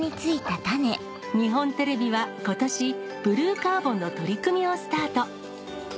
日本テレビは今年ブルーカーボンの取り組みをスタート。